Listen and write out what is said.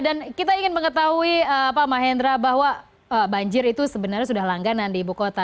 dan kita ingin mengetahui pak mahendra bahwa banjir itu sebenarnya sudah langganan di ibu kota